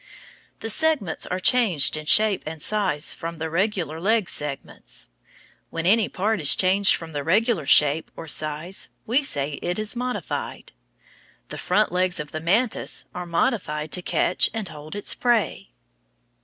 The segments are changed in shape and size from the regular leg segments. When any part is changed from the regular shape or size, we say it is modified. The front legs of the mantis are modified to catch and hold its prey.